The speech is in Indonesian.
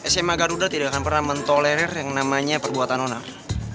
sma garuda tidak akan pernah mentolerir yang namanya perbuatan orang